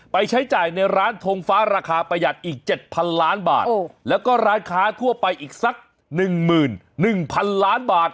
ใช้จ่ายในร้านทงฟ้าราคาประหยัดอีก๗๐๐ล้านบาทแล้วก็ร้านค้าทั่วไปอีกสัก๑๑๐๐๐ล้านบาท